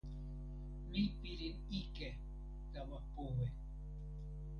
mi pilin ike tawa powe.